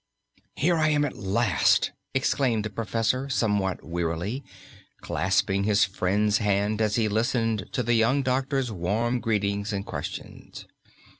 "Here I am at last!" exclaimed the professor, somewhat wearily, clasping his friend's hand as he listened to the young doctor's warm greetings and questions.